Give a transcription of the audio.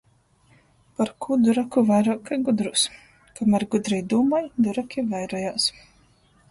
Parkū duraku vairuok kai gudrūs? Komer gudrī dūmoj, duraki vairojās!...